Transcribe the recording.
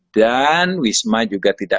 dan wisma juga tidak